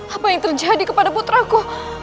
apa yang terjadi kepada putraku